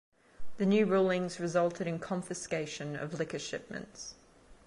The new rulings resulted in confiscation of liquor shipments.